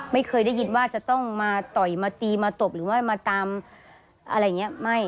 ไม่เคยได้ยินว่าจะต้องมาต่อยมาตีมาตบหรือว่ามาตามอะไรอย่างนี้ไม่